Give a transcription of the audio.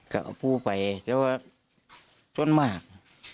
ก็เอาผู้ไปเพราะว่าช่วงมาก